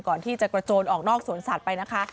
ก่อนที่จะกระโจนออกนอกสวนสัตว์ไปนะคะ